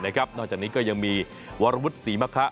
นอกจากนี้ก็ยังมีวรวุฒิศรีมะคะ